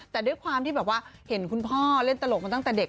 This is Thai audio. แต่ด้วยความที่แบบว่าเห็นคุณพ่อเล่นตลกมาตั้งแต่เด็ก